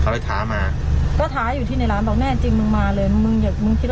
เขาเลยท้ามาก็ท้าอยู่ที่ในร้านบอกแน่จริงมึงมาเลยมึงมึงอยากมึงกิน